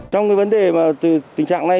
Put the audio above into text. trong cái vấn đề mà tình trạng này